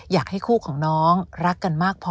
อยากให้คู่ของน้องรักกันมากพอ